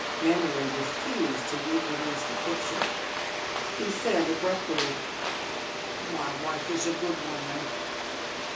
Memory refused to reproduce the picture. He said abruptly: "My wife is a good woman.